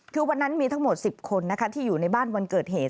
คือวันนั้นมีทั้งหมด๑๐คนที่อยู่ในบ้านวันเกิดเหตุ